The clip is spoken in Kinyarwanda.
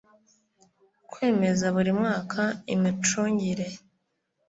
kwemeza buri mwaka imicungire